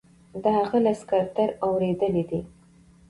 د هغه له سکرتر اوریدلي دي.